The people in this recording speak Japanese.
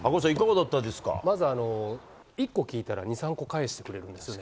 まず、１個聞いたら２、３個返してくれるんですよね。